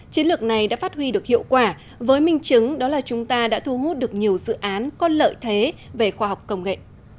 chiến lược này đã phát huy được hiệu quả với minh chứng đó là chúng ta đã thu hút được nhiều dự án có lợi thế về khoa học công nghệ